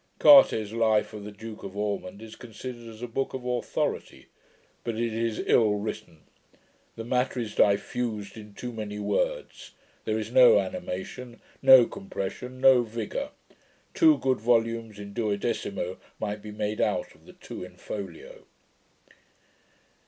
'Carte's Life of the Duke of Ormond is considered as a book of authority; but it is ill written. The matter is diffused in too many words; there is no animation, no compression, no vigour. Two good volumes in duodecimo might be made out of the two in folio.'